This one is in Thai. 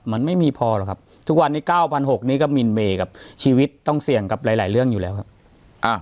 มันไม่มีพอหรอกครับทุกวันนี้๙๖๐๐นี่ก็มินเมย์กับชีวิตต้องเสี่ยงกับหลายเรื่องอยู่แล้วครับ